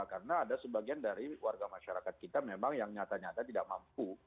karena ada sebagian dari warga masyarakat kita memang yang nyata nyata tidak mampu